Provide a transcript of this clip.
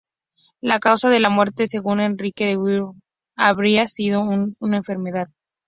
La causa de la muerte, según Enrique de Huntingdon, habría sido una enfermedad.